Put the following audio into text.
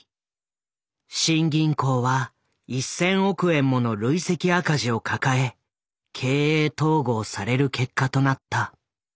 新銀行は１，０００億円もの累積赤字を抱え経営統合される結果となった。